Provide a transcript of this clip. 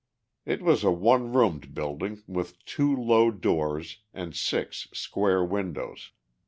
It was a one roomed building with two low doors and six square windows.